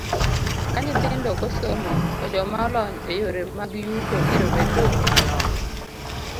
Ka nyithindo ok osomo, to joma olony e yore mag yuto biro bedo manok.